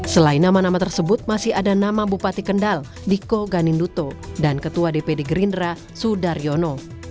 selain nama nama tersebut masih ada nama bupati kendal diko ganinduto dan ketua dpd gerindra sudaryono